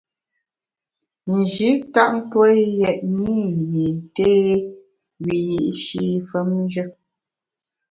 Nji tap tue yètne i yin té wiyi’shi femnjù.